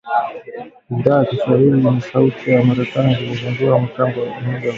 Idhaa ya Kiswahili ya Sauti ya Amerika ilizindua matangazo ya moja kwa moja